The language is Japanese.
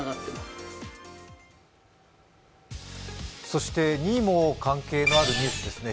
そして２位も関係のあるニュースですね。